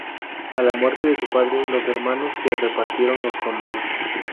A la muerte de su padre, los hermanos se repartieron los condados.